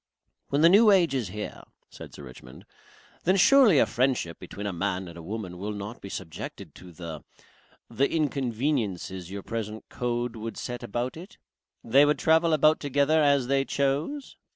"When the New Age is here," said Sir Richmond, "then, surely, a friendship between a man and a woman will not be subjected to the the inconveniences your present code would set about it? They would travel about together as they chose?"